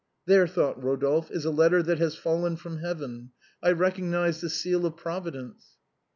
" There," thought Eodolphe, " is a letter that has fallen from heaven ; I recognize the seal of Providence."